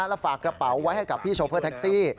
แล้วฝากกระเป๋าไว้ให้กับพี่โชเฟอร์แท็กซี่